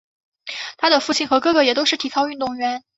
她的父亲和哥哥也都是体操运动员。